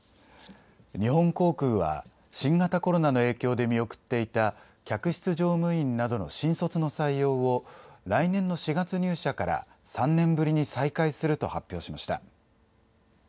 日本航空は、新型コロナの影響で見送っていた客室乗務員などの新卒の採用を、来年の４月入社から３年ぶりに再開すると発表しました。